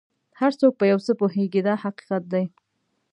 هر څوک په یو څه پوهېږي دا حقیقت دی.